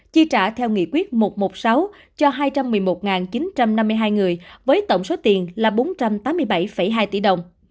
chi trả theo nghị quyết một trăm một mươi sáu cho hai trăm một mươi một chín trăm năm mươi hai người với tổng số tiền là bốn trăm tám mươi bảy hai tỷ đồng